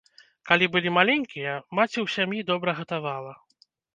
Калі былі маленькія, маці ў сям'і добра гатавала.